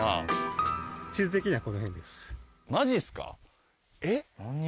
マジっすか。